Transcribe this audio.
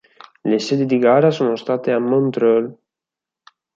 Le sedi di gara sono state a Montréal.